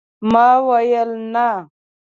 ما ويل ، نه !